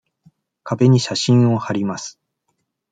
壁に写真をはります。